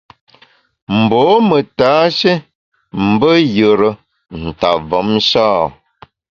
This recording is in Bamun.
Mbô me tashé mbe yùre nta mvom sha ?